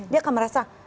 dia akan merasa